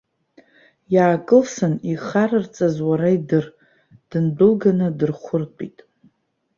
Иаакылсын, ихарарҵаз уара идыр, дындәылганы дырхәыртәит.